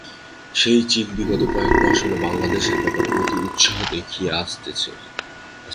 সেই চীন বিগত কয়েক মাস হলো বাংলাদেশের ব্যাপারে অতি উৎসাহ দেখিয়ে আসছে।